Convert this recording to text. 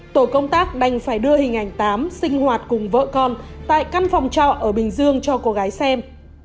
tổ công tác đành phải đưa hình ảnh tám sinh hoạt cùng vợ con tại căn phòng trọ ở bình dương cho cô gái xem